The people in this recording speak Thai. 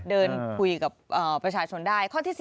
เดินคุยกับประชาชนได้